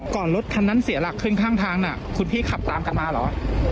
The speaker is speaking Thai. รถคันนั้นเสียหลักขึ้นข้างทางน่ะคุณพี่ขับตามกันมาเหรอ